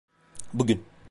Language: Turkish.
Bugün.